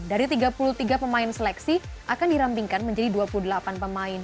dari tiga puluh tiga pemain seleksi akan dirampingkan menjadi dua puluh delapan pemain